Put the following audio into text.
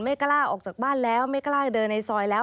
ไม่กล้าออกจากบ้านแล้วไม่กล้าเดินในซอยแล้ว